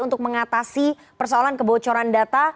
untuk mengatasi persoalan kebocoran data